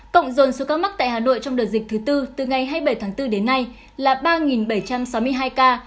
cộng dồn số ca mắc tại hà nội trong đợt dịch thứ tư từ ngày hai mươi bảy tháng bốn đến nay là ba bảy trăm sáu mươi hai ca